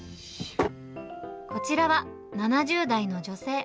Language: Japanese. こちらは７０代の女性。